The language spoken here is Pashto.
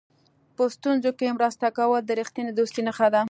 په ستونزو کې مرسته کول د رښتینې دوستۍ نښه ده.